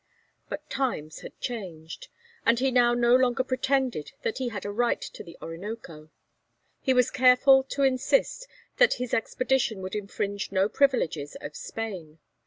But times had changed, and he now no longer pretended that he had a right to the Orinoco; he was careful to insist that his expedition would infringe no privileges of Spain.